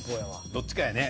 どっちかやね。